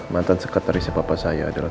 mantan sekat dari si papa saya adalah